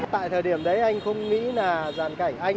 tại thời điểm đấy anh không nghĩ là giàn cảnh anh